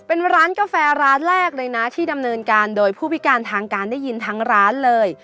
เป็นร้านกาแฟร้านแรกเลยนะที่ดำเนินการโดยผู้พิการทางการได้ยินทั้งร้านเลย